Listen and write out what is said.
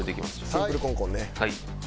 シンプルコンコンね。